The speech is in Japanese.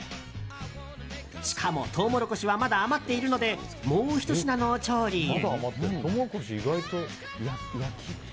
しかもトウモロコシはまだ余っているのでもうひと品の調理へ。